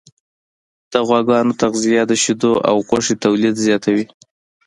د غواګانو تغذیه د شیدو او غوښې تولید زیاتوي.